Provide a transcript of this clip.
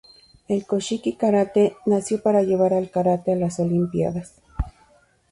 El Koshiki-Karate nació para llevar al Karate a las Olimpiadas.